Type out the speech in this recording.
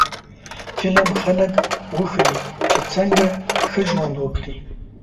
فلم خلک وښيي چې څنګه ښه ژوند وکړي